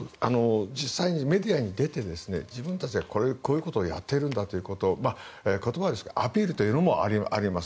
実際にメディアに出て自分たちがこういうことをやっているんだということを言葉でアピールというのもあります。